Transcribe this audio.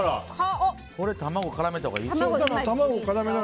これ、卵を絡めたほうがいいですね。